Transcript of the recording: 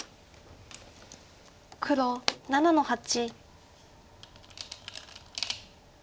黒７の八。